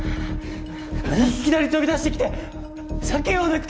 いきなり飛び出してきて避けようなくて